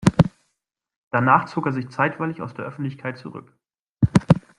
Danach zog er sich zeitweilig aus der Öffentlichkeit zurück.